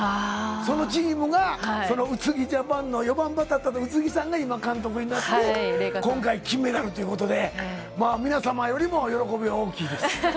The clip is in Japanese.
そのチームが、その宇津木ジャパンの４番バッターだった宇津木さんが今、監督になって、今回、金メダルということで、まあ、皆様よりも喜びは大きいです。